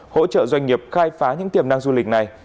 hỗ trợ doanh nghiệp khai phá những tiềm năng du lịch này